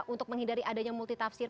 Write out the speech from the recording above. untuk menghindari adanya multitafsir